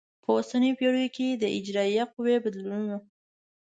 په اوسنیو پیړیو کې د اجرایه قوې بدلونونه